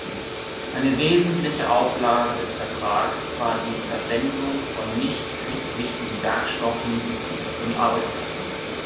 Eine wesentliche Auflage des Vertrags war die Verwendung von „nicht kriegswichtigen Werkstoffen“ und Arbeitskräften.